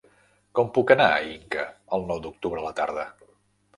Com puc anar a Inca el nou d'octubre a la tarda?